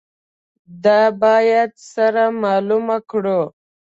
دا باید سره معلومه کړو.